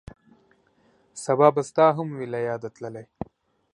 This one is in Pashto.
سبا به ستا هم وي له یاده تللی